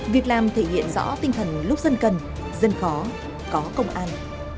việc làm thể hiện rõ tinh thần lúc dân cần dân khó có công an